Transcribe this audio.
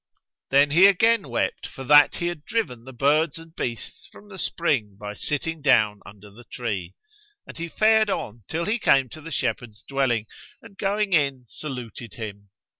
Then he again wept for that he had driven the birds and beasts from the spring by sitting down under the tree, and he fared on till he came to the shepherd's dwelling and going in, saluted him.